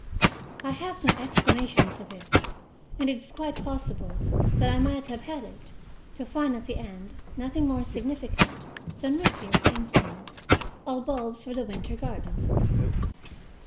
I have no explanation for this. And it is quite possible that I might have had it, to find at the end nothing more significant than root beer, for instance, or bulbs for the winter garden.